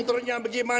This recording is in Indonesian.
kalau gak bisa